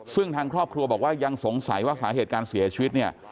ซึ่งทางครอบครัวบอกว่ายังสงสัยว่าสถานการณ์เสียชีวิต